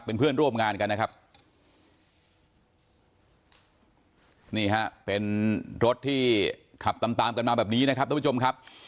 เป็นเพื่อนร่วมงานกันนะครับนี่ฮะเป็นรถที่ขับตามตามกันมาแบบนี้นะครับท่านผู้ชมครับ